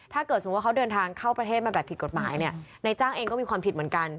สมมุติว่าเขาเดินทางเข้าประเทศมาแบบผิดกฎหมายเนี่ยในจ้างเองก็มีความผิดเหมือนกัน